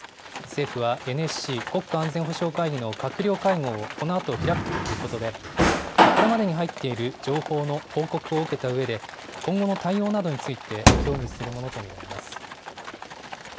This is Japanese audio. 政府はＮＳＣ・国家安全保障会議の閣僚会合をこのあと開くということで、これまでに入っている情報の報告を受けたうえで、今後の対応などについて協議するものと見られます。